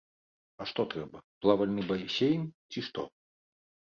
А што трэба, плавальны басейн, ці што?